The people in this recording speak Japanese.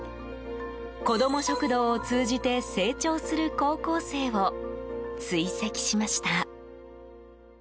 子ども食堂を通じて成長する高校生を追跡しました。